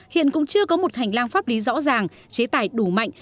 hiện cũng chưa có một hành lang pháp lý rõ ràng chế tài đủ mạnh